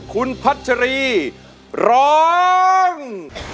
คุณพัชรีร้อง